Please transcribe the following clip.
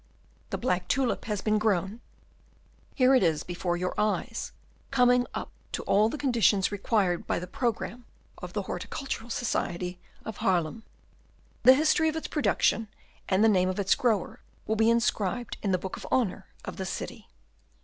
"The black tulip has been grown; here it is before your eyes, coming up to all the conditions required by the programme of the Horticultural Society of Haarlem. "The history of its production, and the name of its grower, will be inscribed in the book of honour of the city.